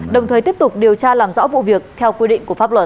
đồng thời tiếp tục điều tra làm rõ vụ việc theo quy định của pháp luật